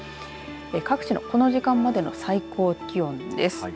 各地のこの時間までの最高気温です。